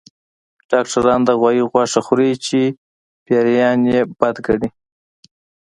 ډاکټران د غوايي غوښه خوري چې پيريان يې بد ګڼي